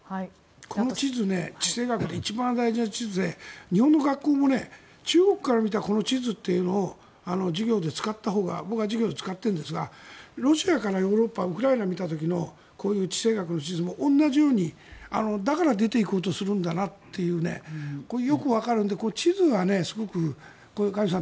この地図地政学で一番大事な地図で日本の学校も中国から見たこの地図を授業で使ったほうが僕は授業で使っているんですがロシアからヨーロッパウクライナを見た時のこういう地政学の地図も同じようにだから出ていこうとするんだなっていうのがこれはよくわかるので地図はカ・リュウさん